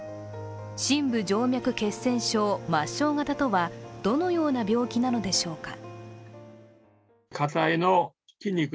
深部静脈血栓症抹消型とはどのような病気なのでしょうか。